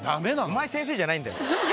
お前先生じゃないんだよ。